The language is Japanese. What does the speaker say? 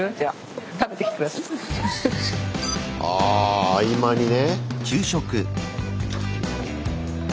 あ合間にね。